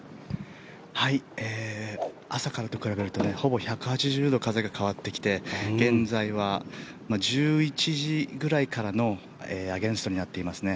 はい、朝からと比べるとほぼ１８０度風が変わってきて現在は１１時ぐらいからのアゲンストになっていますね。